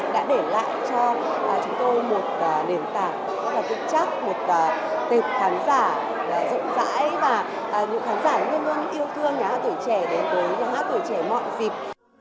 một nền tảng rất là cực trắc một tệp khán giả rộng rãi và những khán giả luôn luôn yêu thương nhà hát tuổi trẻ đến với nhà hát tuổi trẻ mọi dịp